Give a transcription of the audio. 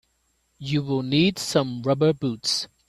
You will need some rubber boots.